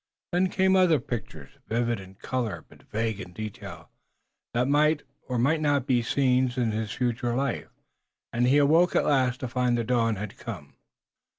Then came other pictures, vivid in color, but vague in detail, that might or might not be scenes in his future life, and he awoke at last to find the dawn had come.